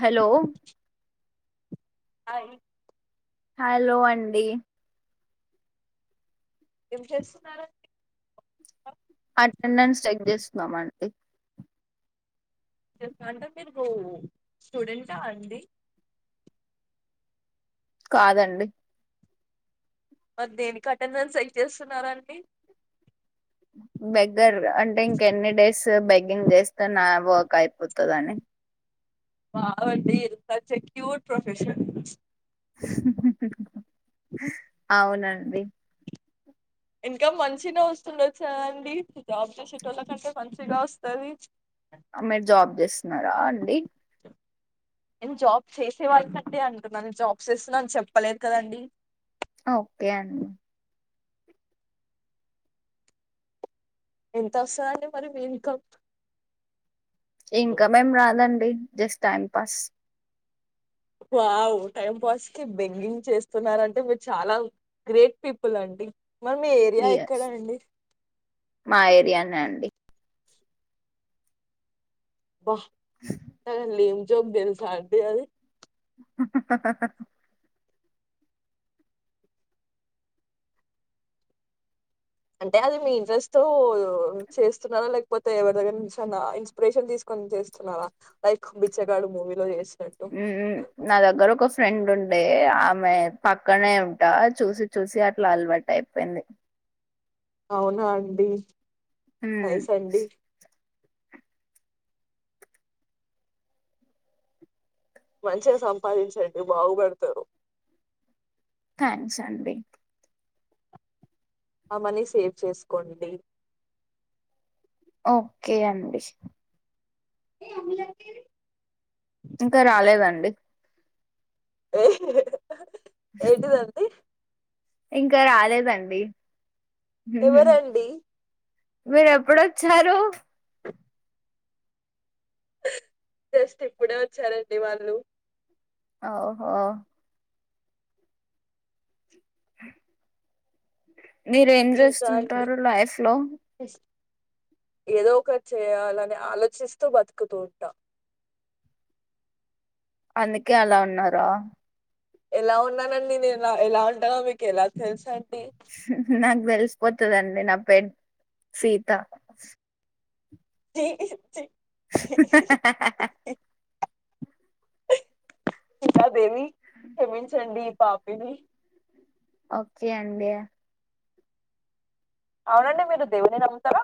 Hello hi hello అండి ఏం చేస్తున్నారు? అటెండెన్స్ చెక్ చేస్తున్నాం అండి అంటే మీరు స్టూడెంటా అండి కాదండి మరి దేనికి అటెండెన్స్ చెక్ చేస్తున్నారండి బెగ్గర్ అంటే ఇంకెన్ని డేస్ బెగ్ గింగ్ చేస్ ఇక నా వర్క్ అయిపోతదని మావారండి సచ్ ఎ క్యూర్ ప్రొఫెషన్ ప్చ్ అవునండి ఇంకా మంచి నే వస్తుందది చ అండి జాబ్ చేసేటోళ్ళ కంటే మంచిగా వస్తాది మీరు జాబ్ చేస్తున్నారా అండి నేను జాబ్ చేసే వాళ్ళకంటే అంటున్నాను నేను జాబ్స్ చేస్తున్నా అని చెప్పలేదు కదండి ఓకే అం ఎంత వస్తదండి మరి మీ ఇన్కమ్ ఇన్కమేం రాదండి just time pass wow time pass కి బెగ్గింగ్ చేస్తున్నారంటే మీరు చాలా గ్రేట్ పీపుల్ అండి. మరి మీ ఏరియా ఎక్కడ ఏస్ అండి మాఏరియానే అండి వాహ్ లేం జోక్ తెలుసా అండి అది హా హా హా అంటే అది మీ ఇంట్రెస్ట్ తో చేస్తున్నారా లేకపోతే ఎవరి దగ్గర నుంచి అన్న ఇన్స్పిరేషన్ తీసుకొని చేస్తున్నారా లైక్ బిచ్చగాడు మూవీలో చేసి ఉమ్, నా దగ్గర ఒక ఫ్రెండ్ ఉండే ఆమె పక్కనే ఉంటా చూసి చూసి అట్లా అలవాటు అయిపోయింది అవునా అండి హమ్ నైస్ అండి. మంచిగా సంపాదించండి బాగుపడతారు థ్యాంక్స్ అండి ఆ మనీ సేవ్ చేసుకోండి ఓకే అండి ఏ అమ్ములు లక్క ఇంకా రాలేదండి ఏ ఏంటిదండి ఇంకా రాలేదండి ఎవరండి మీరు ఎప్పుడు వచ్చారు జస్ట్ ఇప్పుడే వచ్చారండి వాళ్ళు ఓహో [inaudible] మీరు ఏం ఇంకా అండి చేస్తుంటారు లైఫ్ లో ఏదో ఒకటి చేయాలని ఆలోచిస్తూ బతుకుతూ ఉంటా అందుకే అలా ఉన్నార ఎలా ఉన్నానండి నేను ఎలా ఎలా ఉంటానో మీకు ఎలా తెలుసా అండి నాకు తెలిసిపోతడి తున్నదండీ నా పెర్ సీత జ [inaudible] ఇ కాదేవి క్షమించండి పాపిడి ఓకే అండి అవునండి మీరు దేవుని నమ్ముతారా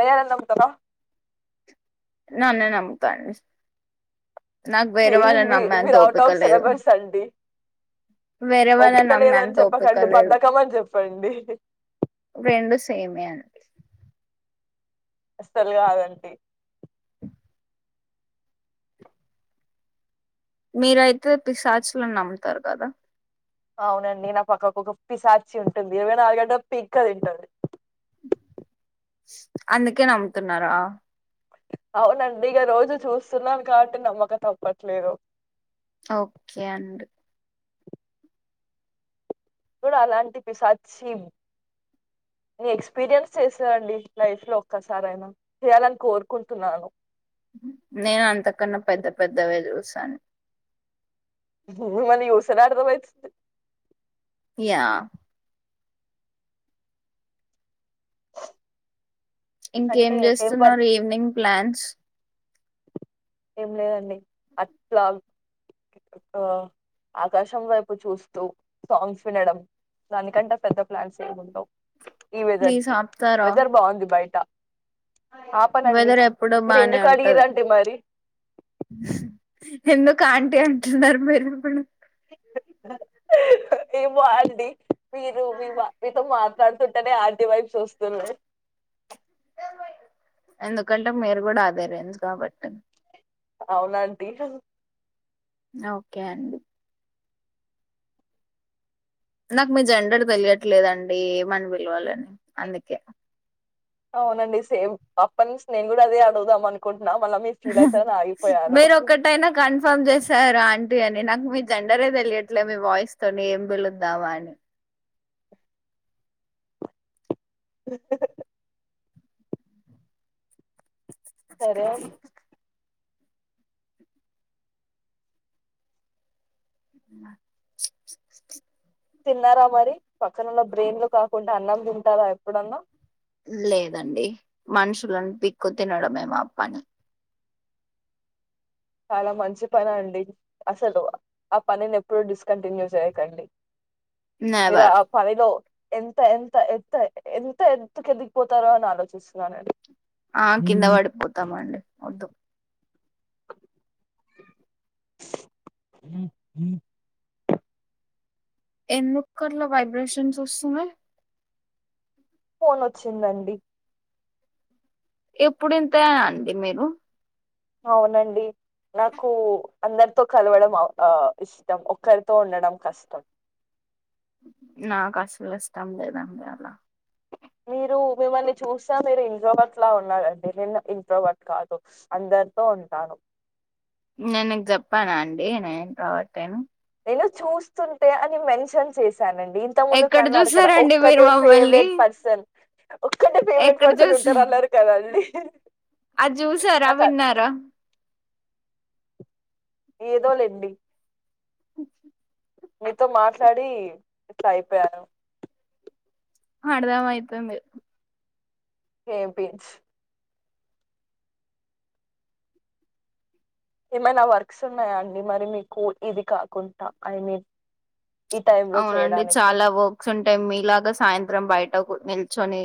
దయాన్ని నమ్ముతారా నాన్న నమ్త మీ మీ మీరు అవుట్ ఆఫ్ లేదు సిలబస్ అండి వేరే వాళ్ళని ఒపికలేదని నమ్మేంత ఓపిక చెప్పకండి లేదు బధకం అని చెప్పండి అడి రెండు సేమే అండి అసలు కాదండి మీరయితే పిసాచులును నమ్ముతారు కదా అవునండి నా పక్కకు ఒక పిసాచి ఉంటుంది ఇరవై నాలుగు గంటలు పిక్ అ తింటంది, అందుకే నమ్ముతున్నారా, అవునండి ఇక రోజు చూస్తున్నాం కాబట్టి నమ్మకం తప్పట్లేదు, ఓకే అండి నేను కూడఅలాంటి పిసాచ్చి నీ ఎక్స్పీరియన్స్ చేసాండి లైఫ్ లో ఒక్కసారయినా చేయాలని కోరుకుంటున్నాను, నేను అంత కన్నా పెద్ద పెద్దవే చూసా, [unintelligible] గురు మనీ చూస్తేనే అర్థమవుతుంది, య్య ఇంకేం అంటే ఏం వర్క్ చేస్తున్నారు ఈవినింగ్, ప్లాన్స్ ఏం లేదండి అట్లా ఆకాశం వైపు చూస్తూ సాంగ్స్ వినడం దానికంటే పెద్ద ప్లాన్స్ ఏమి ఉండవు, ఈ వెదర్ ప్లీజ్ కి ఆపుతారా వెదర్ బాగుంది బయట, ఆపనండి వెదర్ ఎప్పుడో మీరు బానే ఎందుకు ఉంటది అడిగరండి మరి, ఎందుకు ఆంటీ అంటున్నారు మీరు ఇఎపుడు ఏమో అండి మీరు మీ మా మీతో మాట్లాడుతుంటేనే ఆంటీ వైపు వూస్తున్నాయి ఎందుకంటే మీరు కూడా అదే రేంజ్ కాబట్టి, అవును ఆంటీ, ఓకే అండి నాకు మీ జెండర్ తెలియట్లేదండి ఏమని పిలవాలని అందుకే, అవునండి సేమ్ అప్ప నుంచి నేను కూడా అదే అడుగుదాం అనుకుంట, మీరు ఒకటైనా కన్ఫామ్ చేసారు అం టి అని నాకు మీ జెండరే తెలియట్లే మీ వాయిస్ తోని ఏం పిలుద్దామా అని సరే [unintelligible] ఆ తిన్నారా మరి పక్కన ఓలా బ్రెయిన్ లో కాకుండా, అన్నం తింటారా ఎప్పుడన్నా లేదండి మనుషులను పీక్కు తినడమే మా పని, చాలా మంచి పని అండి అసలు ఆ పనిని ఎప్పుడుూ డిస్కంటిన్యూ చేయకండి, మీరు నెవర్ ఆ పనిలో ఎంత ఎంత ఎత్త ఎంత ఎత్తుకు ఎదిగిపోతారో అని ఆలోచిస్తున్నానండి ఆ కింద పడిపోతామండి వద్దు ఎందుకు అట్లా వైబ్రేషన్స్ వస్తున్నాయి, ఫోన్ వచ్చిందండి ఎప్పుడు ఇంతేనే అండి మీరు, అవునండి నాకు అందరితో కలవడం అ ఓ ఇష్టం ఒక్కరితో ఉండడం కష్టం నాకు అసలు ఇష్టం లేదండి అలా మీరు మిమ్మల్ని చూసా మీరు ఇంట్రోవర్ట్ లా ఉన్నారండి. నేను ఇంట్రోవర్ట్ కాదు, అందరితో ఉంటాను, నేను నీకు చెప్పాన అండి నేను ఇంట్రోవర్ట్ అని నిను చూస్తుంటే అని మెన్షన్ చేసి చెప్పానండి. ఇంత ముందు ఎక్కడ అన్నారు కదా చూసారండి మీరు ఒక్కటే మమ్మల్ని ఫేవరెట్ పర్సన్ ఒక్కటే ఫేవరెట్ ఎక్కడ పర్సన్ చూసా ఉంటారు, అన్నారు కదా అండి హి అది చూసారా హ్ విన్నారా ఏదో లెండి మీతో మాట్లాడి ఇట్లా అయిపోయాను అర్థమైతుంది హే బీన్స్ ఎమైనా వర్క్స్ ఉన్నాయా అండి మరి మీకు ఇది కాకుండా ఐ మీన్ ఈ టైంలో అవునండి చేయడానికి చాలా వర్క్స్ ఉంటాయి మీలాగా సాయంత్రం బయట ఇగ నిల్చొని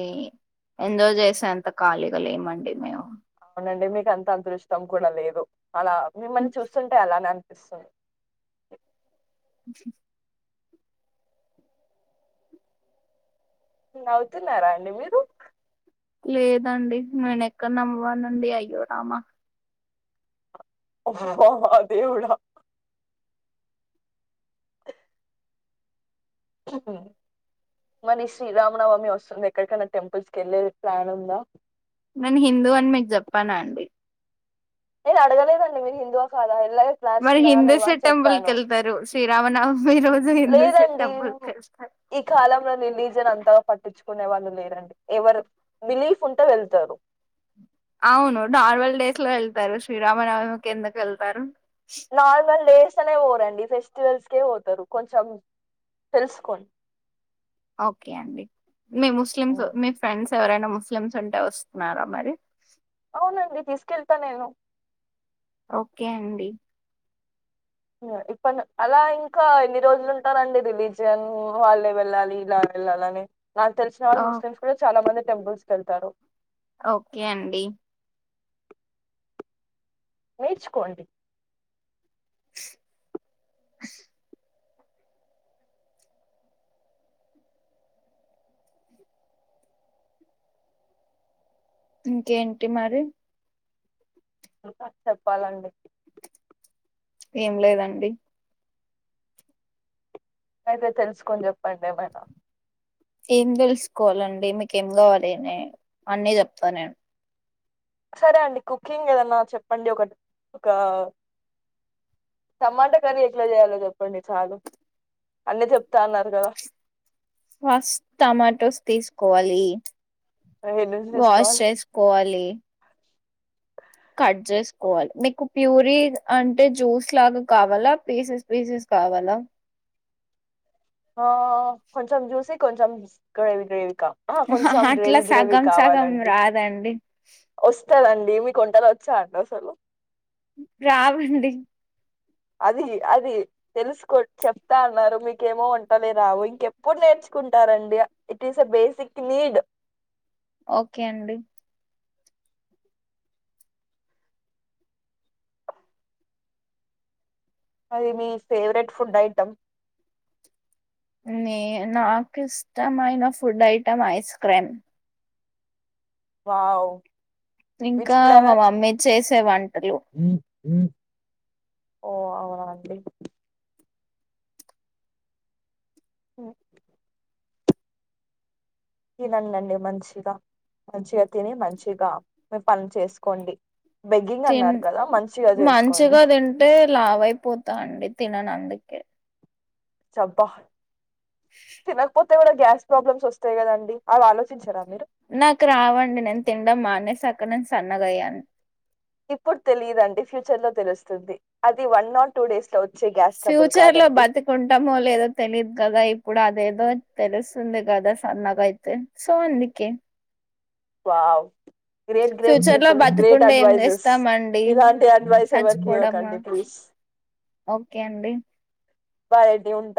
ఎంజాయ్ చేసేంత ఖాళీగా లేమండి మేము అండి మీకు అంత అదృష్టం కూడా లేదు అలా మిమ్మల్ని చూస్తుంటే అలా నన్ వస్తారూ ఉ హు హు నవుతున్నారా అండి మీరు లేదండి నేనెక్కడ నవ్వానండి అయ్యోరామా ఓ హ హ్ దేవుడా ఉ మళ్లీ శ్రీరామనవమి వస్తుంది. ఎక్కడికైనా టెంపుల్స్ కి వెళ్ళే ప్లాన్ ఉందా? నేను హిందూ అని మీకు చెప్పానా అండి నేను అడగలేదండి మీరు హిందు ఆ కదా అని మరి హిందూస్ టెంపుల్ కి వెళ్తారు శ్రీ రామ నవమి లేదండీ ఈ కాలంలో రిలీజియన్ అంతగా పట్టించు కునే వాళ్ళు లేదండి ఎవరు బిలీఫ్ ఉంటే వెళ్తారు అవును నార్మల్ డేస్ లో వెళ్తారు శ్రీరామనవమి కి ఎందకు వెళ్తారు నార్మల్ డేస్ డేస్ కే పోరండి ఫెస్టివల్స్కే పోతారు కొంచెం తెలుసుకోండి ఓకే అండి మీ ముస్లిమ్స్ ఉమ్. మీ ఫ్రెండ్స్ ఎవరైనా ముస్లిమ్స్ ఉంటే వస్తున్నారా మరి అవునండి తీస్కెళ్తా నేను ఓకే అండి ఇప్పడు అలా ఇంకా ఎన్ని రోజులు ఉంటారండి రిలీజియన్ వాళ్ళే వెళ్ళాలి ఇలా వెళ్ళాలి అని నాకు తెలిసిన ఓ వారు ముస్లిమ్స్ కూడా చాలా మంది టెంపుల్స్ కెళ్తారు ఓకే అండి నేర్చుకోండి ఇంకేంటి మరి ఇంకా చెప్పాలండి ఏం లేదండి అయితే తెలుసుకొని చెప్పండి ఏమైనా ఏం తెలుసుకోవాలండి మీకేం కావాలి అని అన్నీ చెప్తా నేను సరే అండి కుక్కింగ్ ఏదనా చెప్పండి ఒకటి ఒక ఆ టమాటా కర్రీ ఎట్ల చేయాలో చెప్పండి చాలు అన్నీ చెప్తా అన్నారు గదా ఫస్ట్ టమాటోస్ తీసుకోవాలి హెడ్ నుంచి వాష్ తీసుకోవాలి చేసుకోవాలి కట్ చేసుకోవాలి మీకు ప్యూరి అంటే జ్యూస్ లాగ కావాల పీసెస్ పీసెస్ కావాల ఆ కొంచెం జ్యూసీ కొంచెం గ్రేవి గ్రేవి కొంచెం అట్లా గ్రేవీ గ్రేవీ సగం సగం కావాలండి రాదండి వస్తదండి వంటలు వచ్చా అండి అసలు రావండి అది అది తెలుసుకో చెప్తా అన్నారు మీకేమో వంటలే రావు ఇంకెప్పుడు నేర్చుకుంటారండి it is a basic need okay అండి అది మీ ఫేవరెట్ ఫుడ్ ఐటం నే నాకు ఇష్టమైన food item ice cream wow ఇంకా మా మమ్మీచేసి ఏవన్ హ హ [inaudible] ఓ అవునా అండి ఊ తినండండి మంచిగా మంచిగా తిని మంచిగా మీ పనులు చేసుకోండి బెగ్గింగ్ తి అన్నారు కదా మంచిగా చేసుకోండి మంచిగా తింటే లావు అయిపోతా అండి తినను అందుకే చెబ్బా తినక పోతే అ [unintelligible] కూడా గ్యాస్ ప్రాబ్లమ్స్ వస్తాయి కదండి అవి ఆలోచించారా మీరు నాకు రావండి నేను తిండమ్ మానేసాక నేను సన్నగయ్యాను ఇప్పుడు తెలియదుండి ఫ్యూచర్ లో తెలుస్తుంది అది వన్ ఆర్ టూ డేస్ లో వ ఫ్యూచర్ లో బతికుంటమో లేదో తెలీదు కదా ఇప్పుడు అద్ అేదో తెలుస్తుంది కదా సన్నగా అయితే సో అందుకి వావ్ గ్రేట్ గ్రేట్ ఫ్యూచర్ లో పీపుల్ గ్రేట్ బతికుండ ఏం అడ్వైజెస్ చేస్తామండి ఇలాంటి అడ్వైస్ ఎవరికి ఇవ్వకండి ప్లీజ్ ఒకే అండి పడ [unintelligible] ఉంట